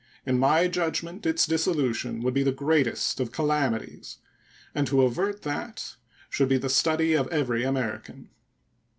In my judgment its dissolution would be the greatest of calamities, and to avert that should be the study of every American.